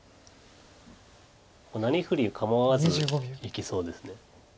なりふり構わずいきそうです。